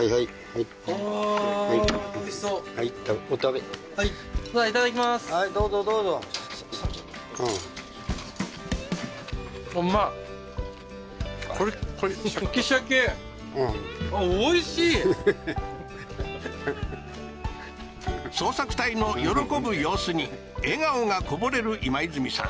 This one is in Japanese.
はいはいはい捜索隊の喜ぶ様子に笑顔がこぼれる今泉さん